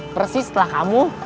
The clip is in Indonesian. persis setelah kamu